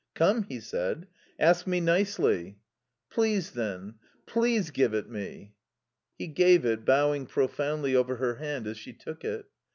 "Come," he said, "ask me nicely." "Please, then. Please give it me." He gave it, bowing profoundly over her hand as she took it.